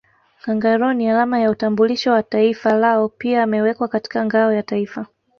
Kangaroo ni alama ya utambulisho wa taifa lao pia amewekwa katika ngao ya Taifa